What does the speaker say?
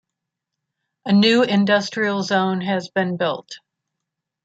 A new industrial zone has been built.